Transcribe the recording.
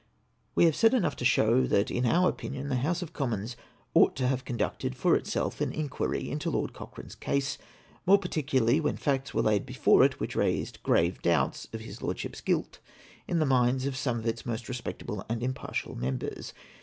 We have said enough to show that, in our opinion, the House of Commons ought to have conducted for itself an in quiry into Lord Cochrane's case ; more particularly when facts were laid before it which raised grave doubts of his Lord ship's guilt in the minds of some of its most respectable and impartial members.